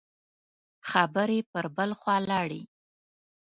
خبرې پر بل خوا لاړې.